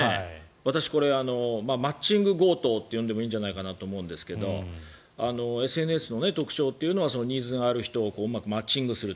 私、マッチング強盗と呼んでもいいんじゃないかなと思いますがＳＮＳの特徴というのはニーズがある人をうまくマッチングすると。